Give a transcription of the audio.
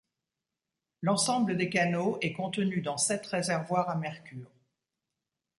L'ensemble des canaux est contenu dans sept réservoirs à mercure.